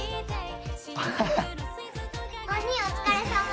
お兄お疲れさま。